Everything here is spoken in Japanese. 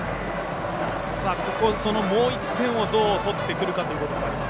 もう１点をどう取ってくるか。